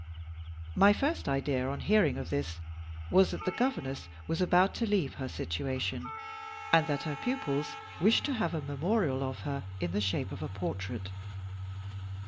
My first idea on hearing of this was, that the governess was about to leave her situation, and that her pupils wished to have a memorial of her in the shape of a portrait.